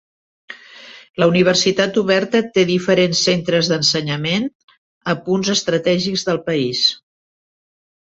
La Universitat Oberta té diferents centres d'ensenyament a punts estratègics del país.